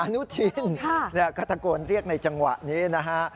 อนุทินก็ตะโกนเรียกในจังหวะนี้นะฮะ